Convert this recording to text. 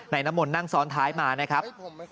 น้ำมนต์นั่งซ้อนท้ายมานะครับ